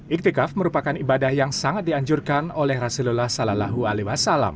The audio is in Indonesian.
iktikaf merupakan ibadah yang sangat dianjurkan oleh rasulullah saw